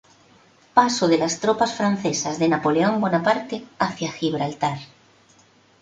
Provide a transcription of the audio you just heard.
Paso de las tropas francesas de Napoleón Bonaparte hacia Gibraltar.